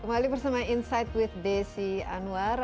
kembali bersama insight with desi anwar